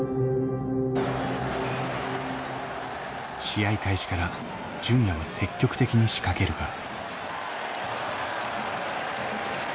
試合開始から純也は積極的に仕掛けるが。